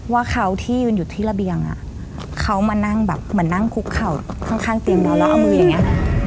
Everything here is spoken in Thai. ว่าเขาที่ยืนอยู่ที่ระเบียงอ่ะเขามานั่งแบบเหมือนนั่งคุกเข่าข้างเตียงเราแล้วเอามืออย่างนี้